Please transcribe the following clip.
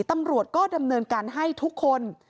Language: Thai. ตำรวจก็ดำเนินการให้ทุกคน